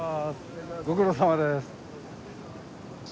ご苦労さまです。